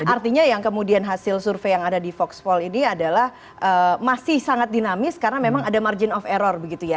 artinya yang kemudian hasil survei yang ada di voxpol ini adalah masih sangat dinamis karena memang ada margin of error begitu ya